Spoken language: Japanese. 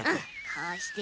こうしてね。